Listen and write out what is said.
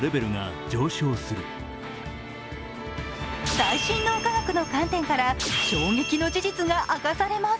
最新脳科学の観点から衝撃の事実が明かされます。